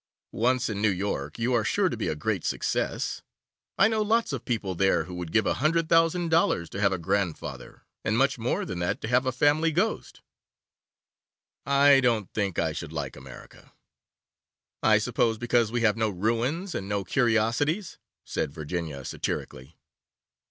Once in New York, you are sure to be a great success. I know lots of people there who would give a hundred thousand dollars to have a grandfather, and much more than that to have a family Ghost.' 'I don't think I should like America.' 'I suppose because we have no ruins and no curiosities,' said Virginia satirically.